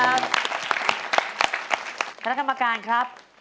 คำถามกรรมการครับ